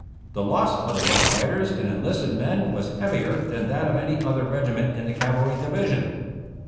The loss of the Rough Riders in enlisted men was heavier than that of any other regiment in the cavalry division.